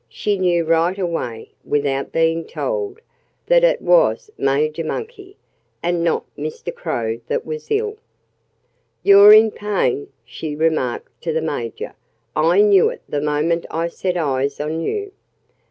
She knew right away, without being told, that it was Major Monkey and not Mr. Crow that was ill. "You're in pain," she remarked to the Major. "I knew it the moment I set eyes on you."